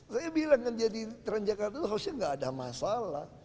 saya bilang kan jadi transjakarta harusnya gak ada masalah